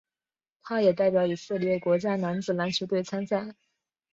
他也代表以色列国家男子篮球队参赛。